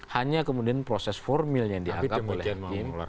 hanya kemudian proses formil